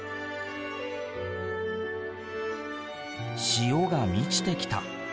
潮が満ちてきた。